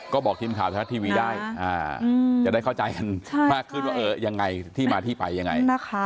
ก็บอกทีมข่าวไทยรัฐทีวีได้จะได้เข้าใจกันมากขึ้นว่าเออยังไงที่มาที่ไปยังไง